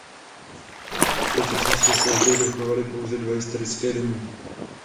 V současnosti se zde dochovaly pouze dva historické domy.